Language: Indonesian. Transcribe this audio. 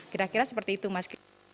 kira kira seperti itu mas